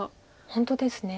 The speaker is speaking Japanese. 本当ですね。